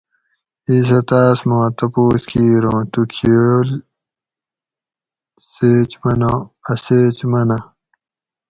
ایسہ تاۤس ما تپوس کِیر اوں تو کھیول سیچ مناں؟ اۤ سیچ مناۤں